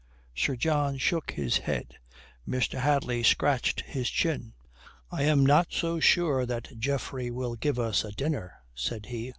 Sir John shook his head. Mr. Hadley scratched his chin. "I am not so sure that Geoffrey will give us a dinner," said he.